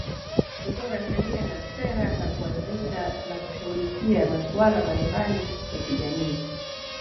Kutunga sheria na sera na kuanzisha na kushughulikia masuala mbalimbali ya kijamii